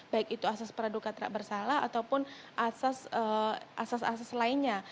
baik itu asas peradukan tak bersalah ataupun asas asas lainnya